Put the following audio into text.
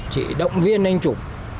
chị động viên anh trục